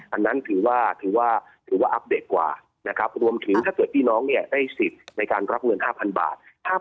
อันนั้นถือว่าอัพเดทกว่านะครับรวมถึงถ้าเกิดพี่น้องได้สิทธิ์ในการรับเงิน๕๐๐๐บาท